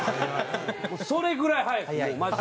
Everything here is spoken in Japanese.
それぐらい早いです